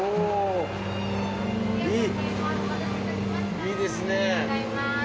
いいですね。